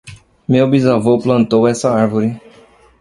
Meu bisavô plantou essa árvore.